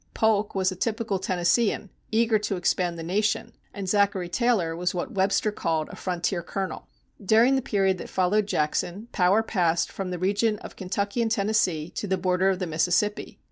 Polk was a typical Tennesseean, eager to expand the nation, and Zachary Taylor was what Webster called a "frontier colonel." During the period that followed Jackson, power passed from the region of Kentucky and Tennessee to the border of the Mississippi.